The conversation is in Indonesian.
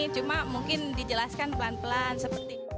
cuma mungkin dijelaskan pelan pelan seperti itu